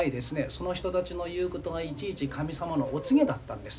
その人たちの言うことがいちいち神様のお告げだったんです。